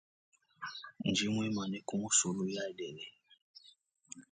Ndi muimane ku musulu yadene.